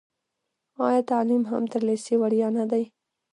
آیا تعلیم هم تر لیسې وړیا نه دی؟